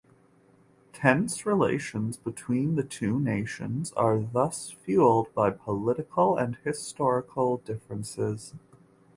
Tense relations between the two nations are thus fueled by political and historical differences.